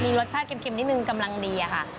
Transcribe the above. รสชาติเค็มนิดนึงกำลังดีอะค่ะ